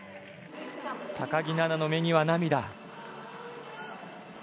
高木菜那の目には涙。